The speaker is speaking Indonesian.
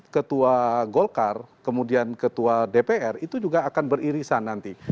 ketua golkar kemudian ketua dpr itu juga akan beririsan nanti